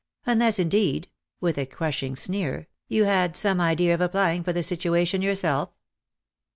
Unless indeed," with a crushing sneer, " you had some idea of applying for the situation your self."